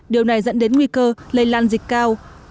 điều này dẫn đến nguy cơ lây lan dịch cao